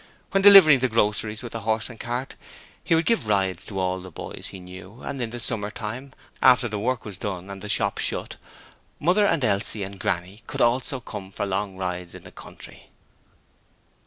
When delivering the groceries with the horse and cart, he would give rides to all the boys he knew, and in the summertime, after the work was done and the shop shut up, Mother and Elsie and Granny could also come for long rides into the country.